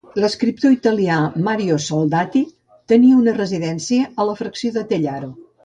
L'escriptor italià Mario Soldati tenia una residència a la fracció de Tellaro.